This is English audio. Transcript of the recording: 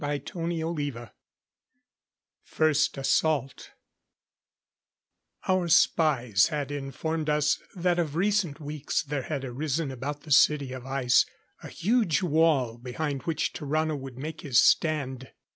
CHAPTER XXXIII First Assault Our spies had informed us that of recent weeks there had arisen about the City of Ice a huge wall behind which Tarrano would make his stand.